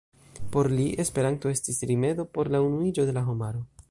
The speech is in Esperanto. Por li Esperanto estis rimedo por la unuiĝo de la homaro.